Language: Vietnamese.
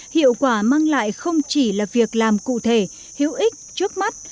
hiệu quả mang lại không chỉ là việc làm cụ thể hữu ích trước mắt